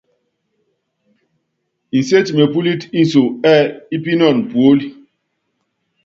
Inséti mépúlít inso ɛ́ɛ ípínɔn puólí.